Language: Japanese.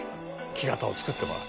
「木型を作ってもらって」